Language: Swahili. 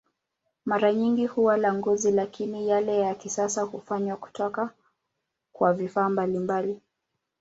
Mara nyingi huwa la ngozi, lakini yale ya kisasa hufanywa kutoka kwa vifaa mbalimbali.